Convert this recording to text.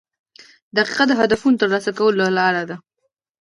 • دقیقه د هدفونو د ترلاسه کولو لار ده.